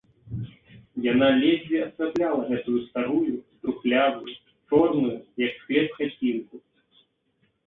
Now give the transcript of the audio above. Яна ледзьве асвятляла гэтую старую, трухлявую, чорную, як склеп, хацінку.